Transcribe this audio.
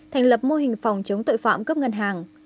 thành lập mô hình phòng chống tội phạm cướp ngân hàng